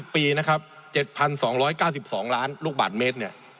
ปีนะครับ๗๒๙๒ล้านลูกบาทเมตรเนี่ย